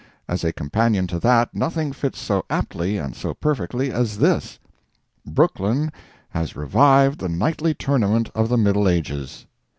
As a companion to that, nothing fits so aptly and so perfectly as this: Brooklyn has revived the knightly tournament of the Middle Ages.